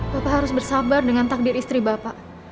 bapak harus bersabar dengan takdir istri bapak